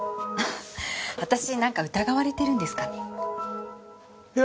私なんか疑われてるんですかね？